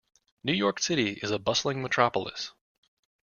New York City is a bustling metropolis.